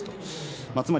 つまり